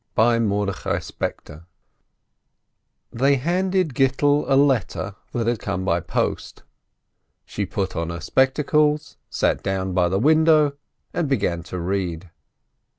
A GLOOMY WEDDING They handed Gittel a letter that had come by post, she put on her spectacles, sat down by the window, and began to read.